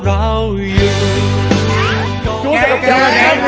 เค้าต้องจัดว่าเราอยู่